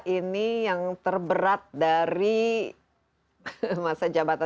ini yang terberat dari masa jabatan